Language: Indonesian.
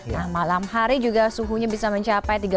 nah malam hari juga suhunya bisa mencapai tiga puluh